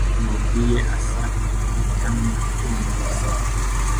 Henry we wabonaga ko ntacyo bimubwiye asa nutanabyumvise